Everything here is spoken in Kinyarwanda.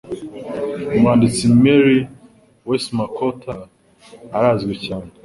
Umwanditsi Mary Westmacottara arazwi cyane